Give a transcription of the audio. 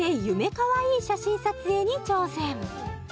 かわいい写真撮影に挑戦